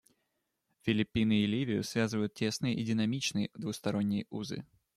Филиппины и Ливию связывают тесные и динамичные двусторонние узы.